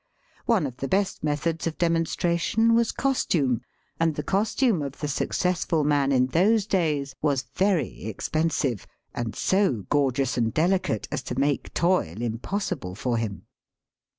One of the best methods of demonstration was costume, and the costume of the successful man in those days was very expensive, and so gorgeous and delicate as to make toil impossible for him.